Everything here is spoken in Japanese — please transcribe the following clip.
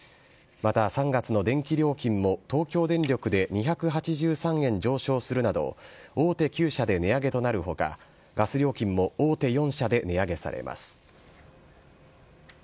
また３月の電気料金も、東京電力で２８３円上昇するなど、大手９社で値上げとなるほか、ガス料金も大手４社で値上げされます。